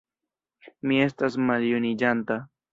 Mi estas maljuniĝanta.